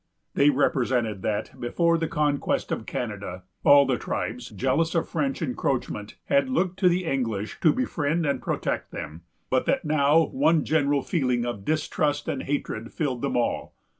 They represented that, before the conquest of Canada, all the tribes, jealous of French encroachment, had looked to the English to befriend and protect them; but that now one general feeling of distrust and hatred filled them all.